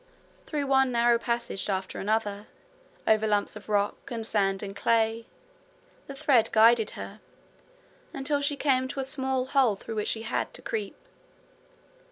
Through one narrow passage after another, over lumps of rock and sand and clay, the thread guided her, until she came to a small hole through which she had to creep.